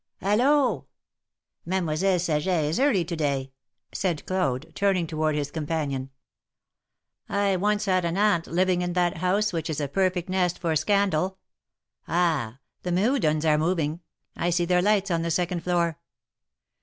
Hallo I Mademoiselle Saget is early to day," said Claude, turning toward his companion : I once had an aunt living in that house, which is a perfect nest for scandal. Ah! the Mehudeus are moving. I see their lights on the second floor."